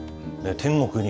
天国に？